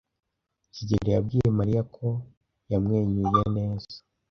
kigeli yabwiye Mariya ko yamwenyuye neza.